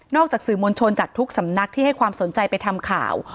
จากสื่อมวลชนจากทุกสำนักที่ให้ความสนใจไปทำข่าว